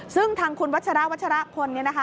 ซึ่งทางคุณวัชราวัชรพลเนี่ยนะคะ